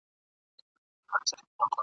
څوک د کورنۍ په اقتصاد کي مرسته کوي؟